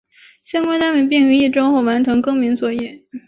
相关单位并于一周后完成更名作业。